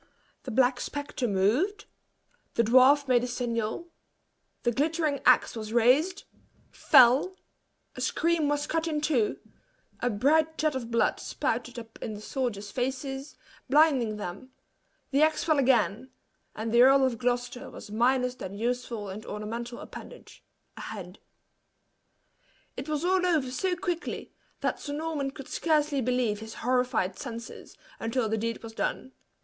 The black spectre moved the dwarf made a signal the glittering axe was raised fell a scream was cut in two a bright jet of blood spouted up in the soldiers faces, blinding them; the axe fell again, and the Earl of Gloucester was minus that useful and ornamental appendage, a head. It was all over so quickly, that Sir Norman could scarcely believe his horrified senses, until the deed was done.